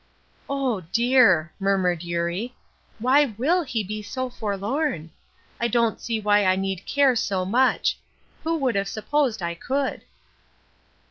"Oh dear!" murmured Eurie, "why will he be so forlorn! I don't see why I need care so much! Who would have supposed I could!"